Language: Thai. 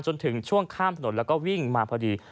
จนถึงช่วงข้ามถนนแล้วก็วิ่งมาพอดี